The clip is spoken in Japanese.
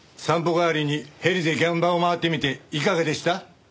代わりにヘリで現場を回ってみていかがでした？